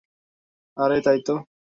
আরে, তাইতো!